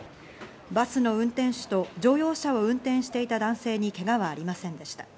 バスの運転手と乗用車を運転していた男性にけがはありませんでした。